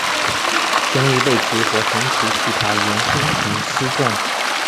雄鱼背鳍和臀鳍鳍条延伸呈丝状。